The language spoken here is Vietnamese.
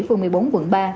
phường một mươi bốn quận ba